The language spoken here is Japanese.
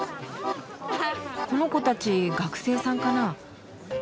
この子たち学生さんかな。